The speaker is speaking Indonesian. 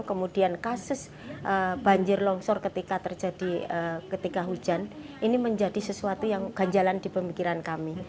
kemudian kasus banjir longsor ketika terjadi ketika hujan ini menjadi sesuatu yang ganjalan di pemikiran kami